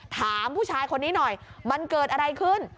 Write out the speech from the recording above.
ถามผู้ชายคนนี้หน่อยมันเกิดอะไรขึ้น